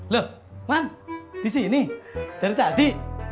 lo man disini dari tadi